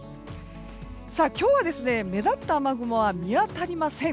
今日は目立った雨雲は見当たりません。